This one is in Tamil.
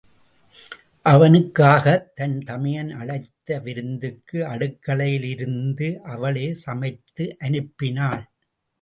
அவனுக்காகத் தன் தமையன் அழைத்த விருந்துக்கு அடுக்களையில் இருந்து அவளே சமைத்து அனுப்பினாள்.